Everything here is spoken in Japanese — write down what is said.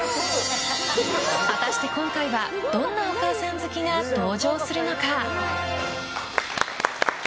果たして今回はどんなお母さん好きが登場するのか？